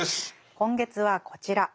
今月はこちら。